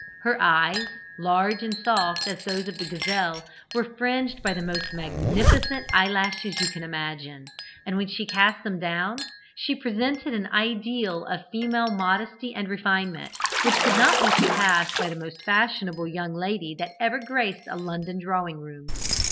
Her eyes, large and soft as those of the gazelle, were fringed with the most magnificent eye lashes you can imagine, and when she cast them down, she presented an ideal of female modesty and refinement, which could not be surpassed by the most fashionable young lady that ever graced a London drawing room.